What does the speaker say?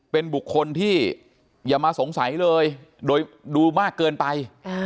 เป็นบุคคลที่อย่ามาสงสัยเลยโดยดูมากเกินไป